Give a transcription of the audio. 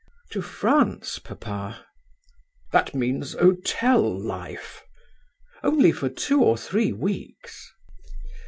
"To France, papa?" "That means hotel life." "Only for two or three weeks."